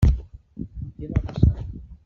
I què va passar?